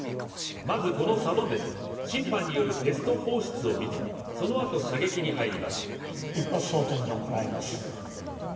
まずこのサドンデス、審判によるテスト放出を見て、そのあと射撃に入ります。